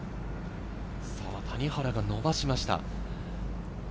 谷原が伸ばしました。